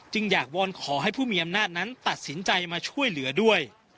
อยากวอนขอให้ผู้มีอำนาจนั้นตัดสินใจมาช่วยเหลือด้วย